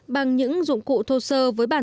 bằng những dụng cụ thô sơ với bản thân